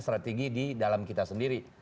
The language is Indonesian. strategi di dalam kita sendiri